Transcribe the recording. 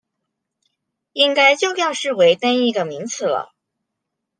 應該就要視為單一個名詞了